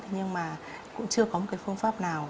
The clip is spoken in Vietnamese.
nhưng mà cũng chưa có một cái phương pháp nào